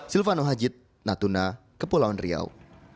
silvano hajid natuna kepulauan riau